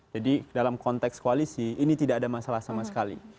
jadi dalam konteks koalisi ini tidak ada masalah sama sekali